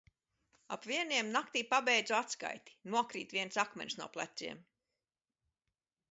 Ap vieniem naktī pabeidzu atskaiti. Nokrīt viens akmens no pleciem.